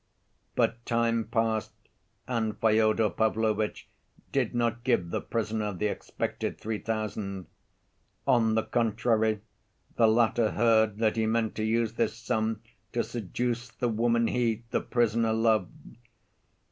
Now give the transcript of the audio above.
"But time passed, and Fyodor Pavlovitch did not give the prisoner the expected three thousand; on the contrary, the latter heard that he meant to use this sum to seduce the woman he, the prisoner, loved.